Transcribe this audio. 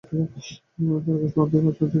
তার কাজ প্রান্তিক স্থান থেকে প্রতিভা খুঁজে আনা।